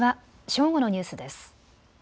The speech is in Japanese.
正午のニュースです。